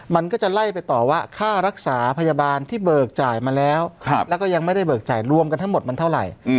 มันก็จะไล่ไปต่อว่าค่ารักษาพยาบาลที่เบิกจ่ายมาแล้วแล้วก็ยังไม่ได้เบิกจ่ายรวมกันทั้งหมดมันเท่าไหร่